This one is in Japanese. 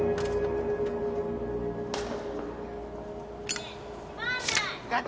ねえ閉まんない！